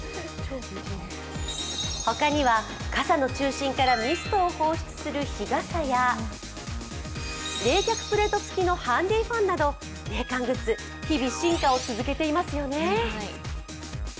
他には、傘の中心からミストを放出する日傘や冷却プレート付きのハンディファンなど冷感グッズ、日々進化を続けていますよね。